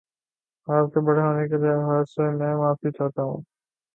آپ کے بڑے ہونے کے لحاظ سے میں معافی چاہتا ہوں